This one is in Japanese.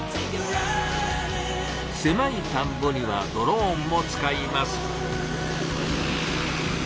せまい田んぼにはドローンも使います。